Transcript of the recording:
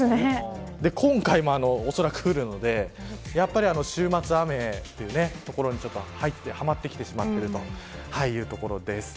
今回もおそらく降るのでやっぱり週末雨というところにはまってきてしまっているというところです。